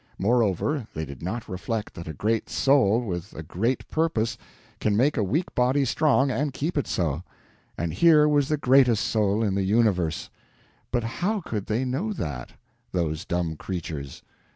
Moreover, they did not reflect that a great soul, with a great purpose, can make a weak body strong and keep it so; and here was the greatest soul in the universe; but how could they know that, those dumb creatures?